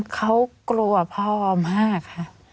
เขากลัวพ่อมากค่ะ